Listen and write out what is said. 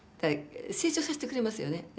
成長させてくれますよね。